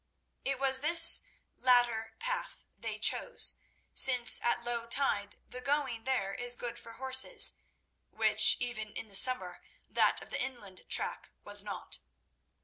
It was this latter path they chose, since at low tide the going there is good for horses—which, even in the summer, that of the inland track was not.